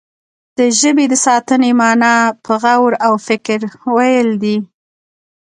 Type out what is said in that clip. د ژبې د ساتنې معنا په غور او فکر ويل دي.